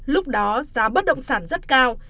lúc đó giá bất động sản rất cao